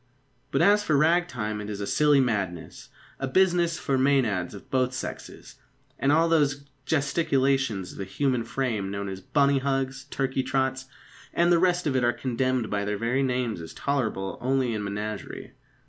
But, as for rag time, it is a silly madness, a business for Mænads of both sexes; and all those gesticulations of the human frame known as bunny hugs, turkey trots, and the rest of it are condemned by their very names as tolerable only in the menagerie.